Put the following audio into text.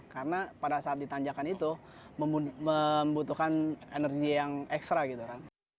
karena pada saat ditanjakan itu membutuhkan energi yang ekstra gitu kan